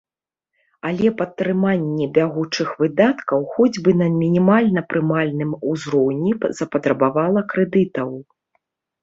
Але падтрыманне бягучых выдаткаў хоць бы на мінімальна прымальным узроўні запатрабавала крэдытаў.